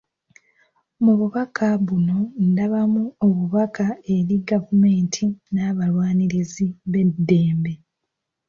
Mu bubaka buno ndabamu obubaka eri Gavumenti n'abalwanirizi b'eddembe